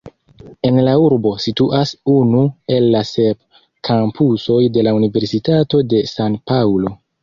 En la urbo situas unu el la sep kampusoj de la Universitato de San-Paŭlo.